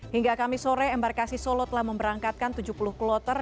hingga kami sore embarkasi solo telah memberangkatkan tujuh puluh kloter